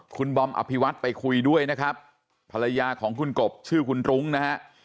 คุณบอมอภิวัตไปคุยด้วยนะครับภรรยาของคุณกบชื่อคุณรุ้งนะฮะ